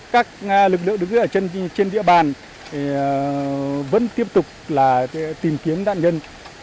các lực lượng đứng chân trên địa bàn vẫn tiếp tục tìm kiếm nạn nhân